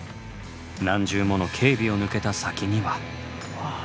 何重もの警備を抜けた先には。